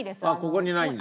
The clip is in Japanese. ここにないんだ。